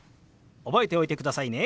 覚えておいてくださいね。